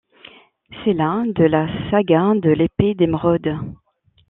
C'est la de la Saga de l'Epée d'Emeraude.